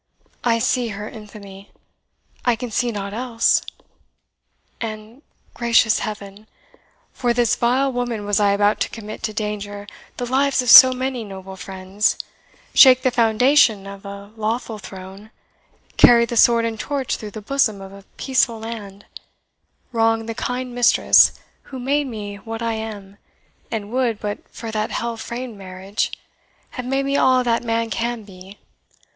I see her infamy I can see nought else; and gracious Heaven! for this vile woman was I about to commit to danger the lives of so many noble friends, shake the foundation of a lawful throne, carry the sword and torch through the bosom of a peaceful land, wrong the kind mistress who made me what I am, and would, but for that hell framed marriage, have made me all that man can be!